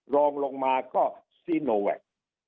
รองลงมาก็ซีโนแวค